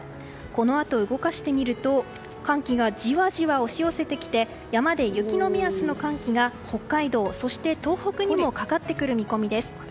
このあと、動かしてみると寒気がじわじわ押し寄せてきて山で雪の目安の寒気が北海道、そして東北にもかかってくる見込みです。